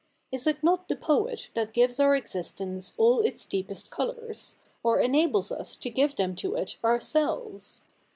Is it not the poet that gives our existence all its deepest colours, or enables us to give them to it ourselves